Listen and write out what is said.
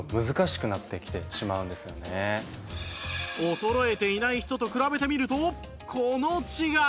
衰えていない人と比べてみるとこの違い